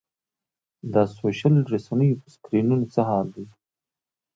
دا سوشل رسنیو په سکرینونو څه حال دی.